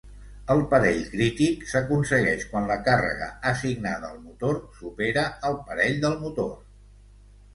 El parell crític s'aconsegueix quan la càrrega assignada al motor supera el parell del motor.